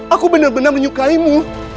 aku benar benar menyukaimu